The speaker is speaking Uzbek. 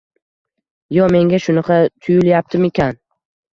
Yo menga shunaqa tuyulyaptimikan